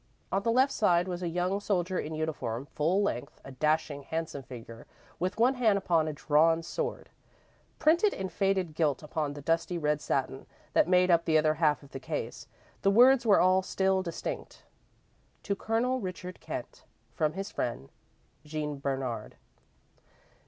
On the left side was a young soldier in uniform, full length a dashing, handsome figure with one hand upon a drawn sword. Printed in faded gilt upon the dusty red satin that made up the other half of the case, the words were still distinct: "To Colonel Richard Kent, from his friend, Jean Bernard."